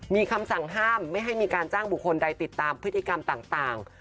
มีคำสั่งห้ามไม่ให้มีการจ้างบุคคลใดติดตามพฤติกรรมต่าง